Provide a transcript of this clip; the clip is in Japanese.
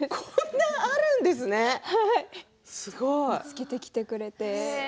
見つけてきてくれて。